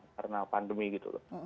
karena pandemi gitu loh